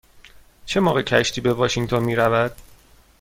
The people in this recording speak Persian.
چه موقع کشتی به واشینگتن می رود؟